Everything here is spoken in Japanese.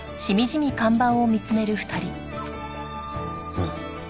うん。